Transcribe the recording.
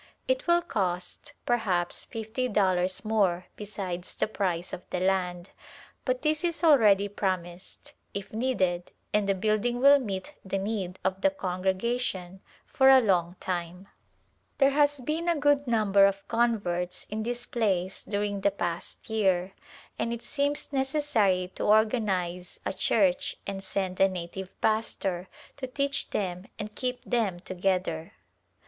It will cost perhaps fifty dollars more besides the price of the land, but this is already prom ised, if needed, and the building will meet the need of the congregation for a long time. There has been a good number of converts in this place during the past year and it seems necessary to or ganize a church and send a native pastor to teach them and keep them together.